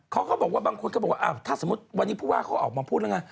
เขาบอกว่าบางคนเขาบอกว่าถ้าสมมติวันนี้พวกเขาออกมาพูดแล้วนะ